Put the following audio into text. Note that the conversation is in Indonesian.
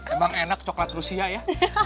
emang enak coklat rusia ya